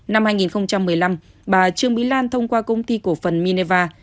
năm hai nghìn một mươi năm bà trương mỹ lan thông qua công ty cổ phần meva